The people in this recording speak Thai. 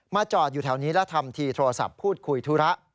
จอดอยู่แถวนี้และทำทีโทรศัพท์พูดคุยธุระ